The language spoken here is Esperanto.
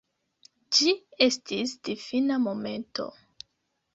Ĝi estis difina momento.